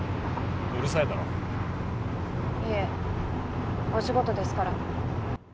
いえ、お仕事ですから。